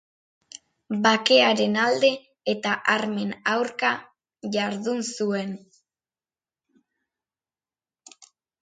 Bakearen alde eta armen aurka jardun zuen.